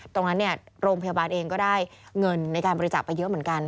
โรงพยาบาลเองก็ได้เงินในการบริจาคไปเยอะเหมือนกัน